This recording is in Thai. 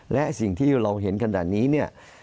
และสิ่งที่เราเห็นขนาดนี้เนี่ย